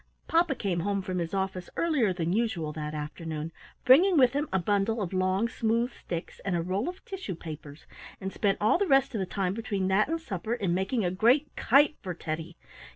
Papa came home from his office earlier than usual that afternoon, bringing with him a bundle of long, smooth sticks and a roll of tissue papers, and spent all the rest of the time between that and supper in making a great kite for Teddy.